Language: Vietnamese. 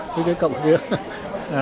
đấy cậu nhớ